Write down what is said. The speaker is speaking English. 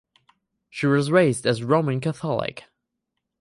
She was raised as Roman Catholic.